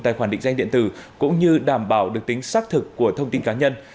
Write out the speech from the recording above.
tài khoản định danh điện tử cũng như đảm bảo được tính xác thực của thông tin cá nhân